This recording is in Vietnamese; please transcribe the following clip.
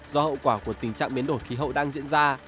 do hậu quả của tình trạng biến đổi khí hậu đang diễn ra